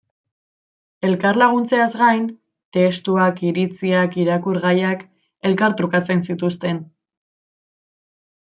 Elkar laguntzeaz gain, testuak, iritziak, irakurgaiak... elkartrukatzen zituzten.